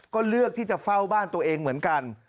ก็เลือกที่จะเฝ้าบ้านตัวเองเหมือนกัน